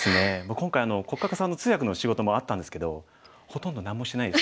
今回黒嘉嘉さんの通訳の仕事もあったんですけどほとんど何もしてないです。